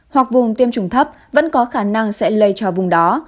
hoặc vùng tiêm chủng thấp vẫn có khả năng sẽ lây cho vùng đó